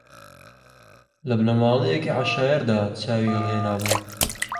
لە بنەماڵەیەکی عەشایەردا چاوی ھەڵھێنابوو